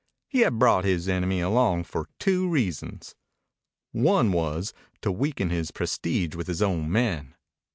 He had brought his enemy along for two reasons. One was to weaken his prestige with his own men.